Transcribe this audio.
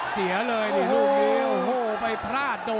เสียเลยลูกนี้โอ้โหไปพลาด